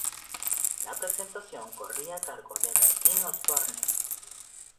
La presentación corría a cargo de Bertín Osborne.